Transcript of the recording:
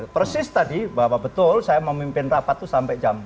persis tadi bahwa betul saya mau mimpin rapat itu sampai jam